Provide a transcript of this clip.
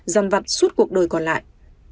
dằn vặt suốt cuộc đời còn lại